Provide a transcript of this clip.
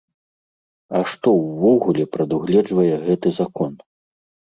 А што ўвогуле прадугледжвае гэты закон?